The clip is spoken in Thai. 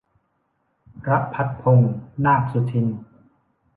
รภัสพงษ์ นาคสุทิน